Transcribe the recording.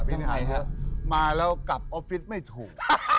อภิษณหาญเหอะมาแล้วกลับออฟฟิตไม่ถูก